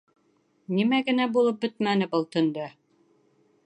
Нимә генә булып бөтмәне был төндә!